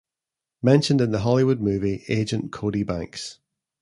Mentioned in the Hollywood movie Agent Cody Banks.